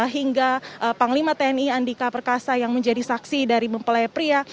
hingga panglima tni andika perkasa yang menjadi saksi dari mempelai pria